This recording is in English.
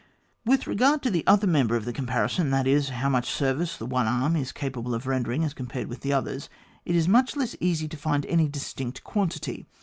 With regard to the other member of the comparison, that is, how much ser vice the one arm is capable of rendering as compared with the others, it is much less easy to find any distinct quantity.